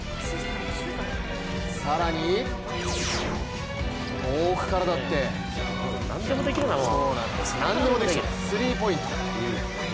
更に遠くからだって何でもできちゃう、スリーポイント。